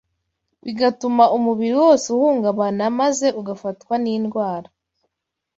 bigatuma umubiri wose uhungabana maze ugafatwa n’indwara